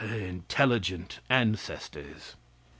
Intelligent ancestors!